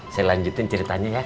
saya lanjutin ceritanya ya